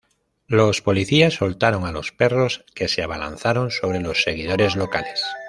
Los policías soltaron a los perros, que se abalanzaron sobre los seguidores locales.